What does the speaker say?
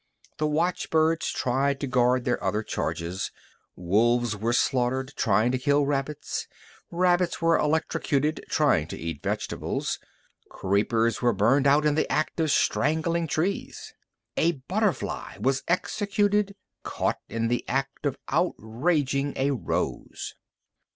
The watchbirds tried to guard their other charges. Wolves were slaughtered, trying to kill rabbits. Rabbits were electrocuted, trying to eat vegetables. Creepers were burned out in the act of strangling trees. A butterfly was executed, caught in the act of outraging a rose.